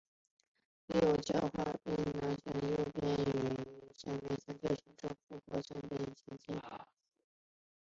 六角化六边形镶嵌的结构与六边形边与三角形边重合的复合三角形镶嵌六边形镶嵌相近。